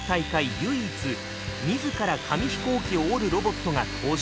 唯一自ら紙飛行機を折るロボットが登場。